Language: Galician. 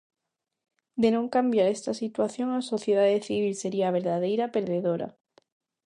De non cambiar esta situación, a sociedade civil sería a verdadeira perdedora.